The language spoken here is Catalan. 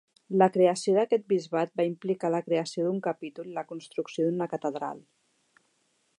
La creació d'aquest bisbat va implicar la creació d'un capítol i la construcció d'una catedral.